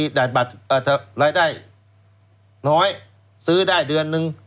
รายได้น้อยซื้อได้เดือนนึง